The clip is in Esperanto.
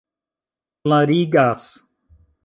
klarigas